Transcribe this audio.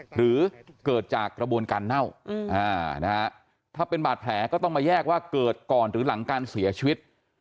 หรือเกิดจากกระบวนการเน่าถ้าเป็นบาดแผลก็ต้องมาแยกว่าเกิดก่อนหรือหลังการเสียชีวิต